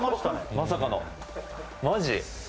まさかのマジ？